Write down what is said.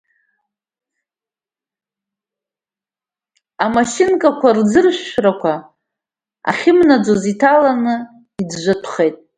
Амашьынкақәа рӡыршәрақәа ахьымнаӡоз иҭаланы иӡәӡәатәхеит.